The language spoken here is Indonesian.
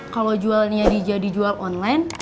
kalau jualannya dijadi jual online